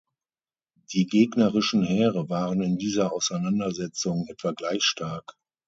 Die gegnerischen Heere waren in dieser Auseinandersetzung etwa gleich stark.